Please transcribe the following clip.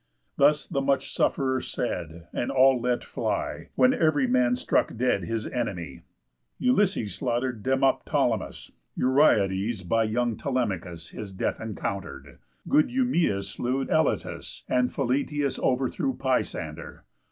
Thus the much suff'rer said; and all let fly, When ev'ry man struck dead his enemy. Ulysses slaughter'd Demoptolemus. Euryades by young Telemachus His death encounter'd. Good Eumæus slew Elatus. And Philœtius overthrew Pisander.